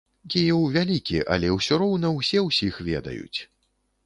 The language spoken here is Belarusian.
Кіеў вялікі, але ўсё роўна ўсе ўсіх ведаюць.